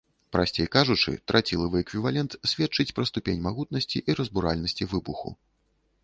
Прасцей кажучы, трацілавы эквівалент сведчыць пра ступень магутнасці і разбуральнасці выбуху.